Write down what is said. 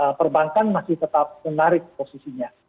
jadi perbankan masih tetap menarik gitu posisinya